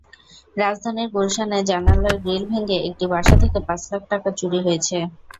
রাজধানীর গুলশানে জানালার গ্রিল ভেঙে একটি বাসা থেকে পাঁচ লাখ টাকা চুরি হয়েছে।